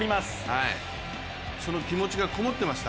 その気持ちがこもってました！